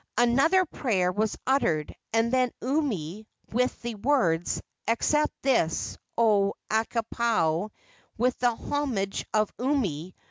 Another prayer was uttered, and then Umi, with the words, "Accept this, O Akuapaao, with the homage of Umi!"